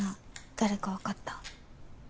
誰か分かった？